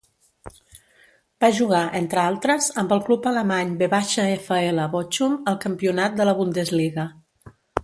Va jugar, entre altres, amb el club alemany VfL Bochum el campionat de la Bundesliga.